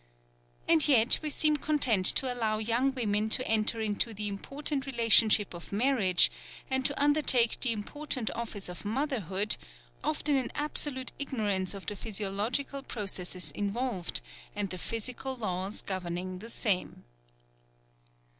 And yet we seem content to allow young women to enter into the important relationship of marriage, and to undertake the important office of motherhood, often in absolute ignorance of the physiological processes involved, and the physical laws governing the same.